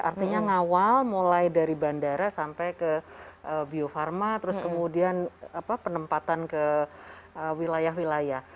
artinya ngawal mulai dari bandara sampai ke bio farma terus kemudian penempatan ke wilayah wilayah